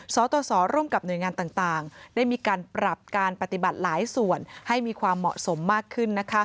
สตสร่วมกับหน่วยงานต่างได้มีการปรับการปฏิบัติหลายส่วนให้มีความเหมาะสมมากขึ้น